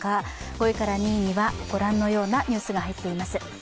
５位から２位には、ご覧のようなニュースが入っています。